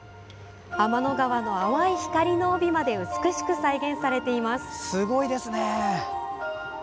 天の川の淡い光の帯まで美しく再現されています。